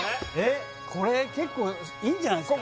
これ結構いいんじゃないっすか？